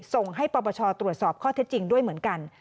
ส่งให้ปปชตรวจสอบข้อเท็จจริงด้วยเหมือนกัน